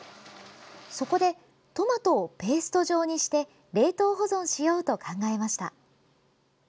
そこでトマトをペースト状にして冷凍保存しようと考えました。